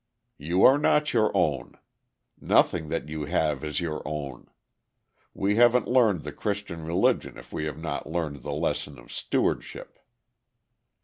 "You are not your own. Nothing that you have is your own. We haven't learned the Christian religion if we have not learned the lesson of stewardship.